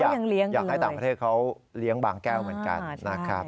อยากให้ต่างประเทศเขาเลี้ยงบางแก้วเหมือนกันนะครับ